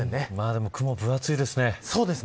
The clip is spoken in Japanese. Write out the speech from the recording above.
でも、雲が分厚いですね。